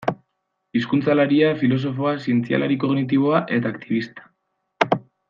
Hizkuntzalaria, filosofoa, zientzialari kognitiboa eta aktibista.